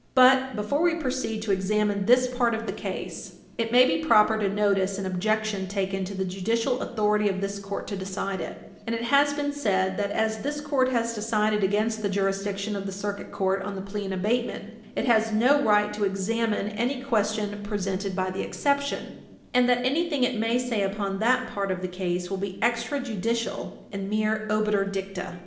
But, before we proceed to examine this part of the case, it may be proper to notice an objection taken to the judicial authority of this court to decide it, and it has been said that, as this court has decided against the jurisdiction of the Circuit Court on the plea in abatement, it has no right to examine any question presented by the exception, and that anything it may say upon that part of the case will be extrajudicial, and mere obiter dicta.